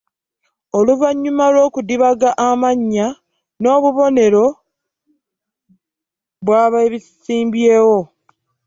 Oluvannyuma lw'okudibaga amannya n'obubonero bw'abeesimbyewo